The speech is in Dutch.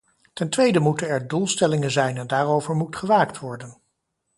Ten tweede moeten er doelstellingen zijn en daarover moet gewaakt worden.